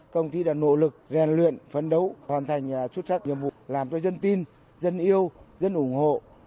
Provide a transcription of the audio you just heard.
công ty đã nỗ lực rèn luyện phấn đấu hoàn thành xuất sắc nhiệm vụ làm cho dân tin dân yêu dân ủng hộ